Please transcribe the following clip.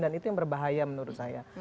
dan itu yang berbahaya menurut saya